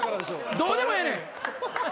どうでもええねん。